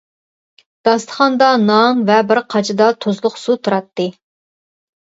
داستىخاندا نان ۋە بىر قاچىدا تۇزلۇق سۇ تۇراتتى.